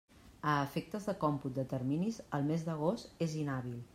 A efectes de còmput de terminis, el mes d'agost és inhàbil.